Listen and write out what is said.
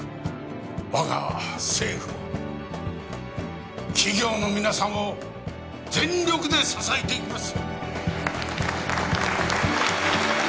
我が政府は企業の皆さんを全力で支えていきます